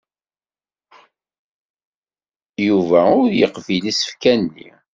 Yuba ur yeqbil isefka-nni.